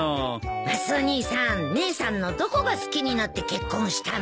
マスオ兄さん姉さんのどこが好きになって結婚したの？